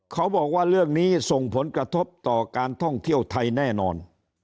เขาบอกว่าเรื่องนี้ส่งผลกระทบต่อการท่องเที่ยวไทยแน่นอน